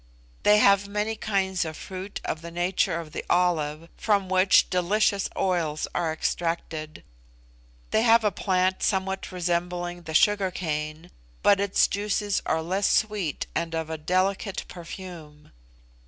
They have many kinds of fruit of the nature of the olive, from which delicious oils are extracted. They have a plant somewhat resembling the sugar cane, but its juices are less sweet and of a delicate perfume.